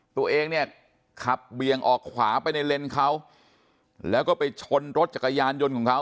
ตัวเองเนี่ยขับเบี่ยงออกขวาไปในเลนเขาแล้วก็ไปชนรถจักรยานยนต์ของเขา